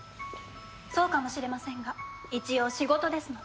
そうかもしれませんが一応仕事ですので。